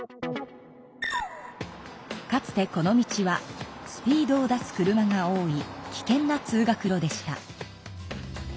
かつてこの道はスピードを出す車が多い危険な通学路でした。